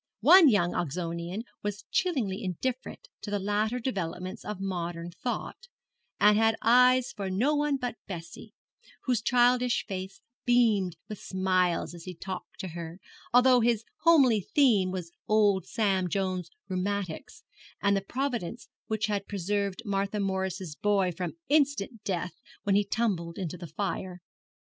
One young Oxonian was chillingly indifferent to the later developments of modern thought, and had eyes for no one but Bessie, whose childish face beamed with smiles as he talked to her, although his homely theme was old Sam Jones's rheumatics, and the Providence which had preserved Martha Morris's boy from instant death when he tumbled into the fire.